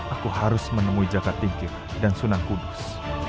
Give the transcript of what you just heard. aku harus menemui jaka tingkir dan sunang kudus